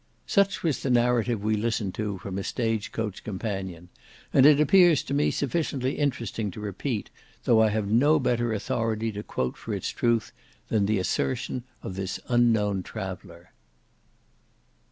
Such was the narrative we listened to, from a stage coach companion; and it appears to me sufficiently interesting to repeat, though I have no better authority to quote for its truth, than the assertion of this unknown traveller.